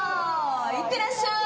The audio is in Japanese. いってらっしゃい。